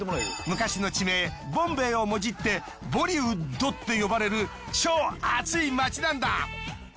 昔の地名ボンベイをもじってボリウッドって呼ばれる超アツイ街なんだ。